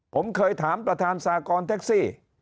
ผมเคยถามประธานสากรแท็กซี่